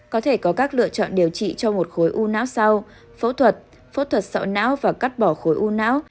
có thể có các lựa chọn điều trị cho một khối u não sau phẫu thuật phẫu thuật sọ não và cắt bỏ khối u não